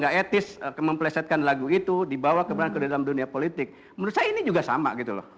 tidak etis memplesetkan lagu itu dibawa ke dalam dunia politik menurut saya ini juga sama gitu loh